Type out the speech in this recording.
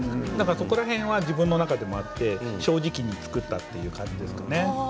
そこら辺は自分の中にもあって正直に作ったという感じですかね。